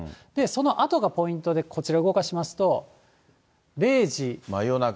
そのあとがポイントで、こちら、動かしますと。